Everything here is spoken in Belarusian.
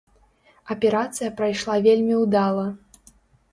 Аперацыя прайшла вельмі ўдала.